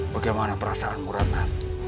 bagaimana perasaanmu ratna